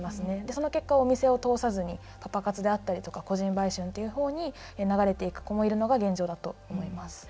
その結果お店を通さずにパパ活だとか個人売春という方に流れている子もいるのが現状だと思います。